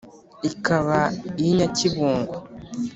Ikaba iy' i Nyakibungo,